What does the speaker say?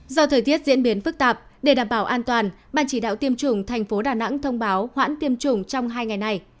do thời tiết diễn biến phức tạp để đảm bảo an toàn ban chỉ đạo tiêm chủng thành phố đà nẵng thông báo hoãn tiêm chủng trong hai ngày này